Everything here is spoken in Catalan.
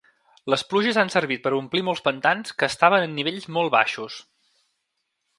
Les pluges han servit per omplir molts pantans que estaven en nivells molt baixos.